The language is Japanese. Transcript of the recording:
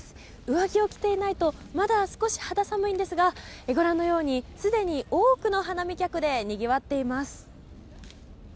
上着を着ていないとまだ少し肌寒いんですがご覧のようにすでに多くの花見客でにぎわっています。